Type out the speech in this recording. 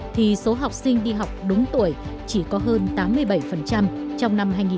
thì số học sinh đi học đúng tuổi chỉ có hơn tám mươi bảy